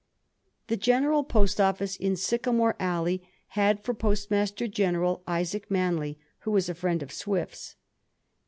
The Greneral Post Office in Sycamore Alley had for Postmaster Greneral Isaac Manley, who was a friend of Swift's.